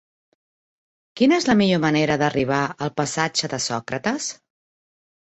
Quina és la millor manera d'arribar al passatge de Sòcrates?